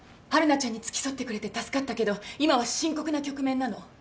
晴汝ちゃんに付き添ってくれて助かったけど今は深刻な局面なの。